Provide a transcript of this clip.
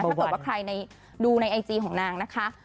ถ้าเกิดว่าใครดูในไอจีของนางนะคะ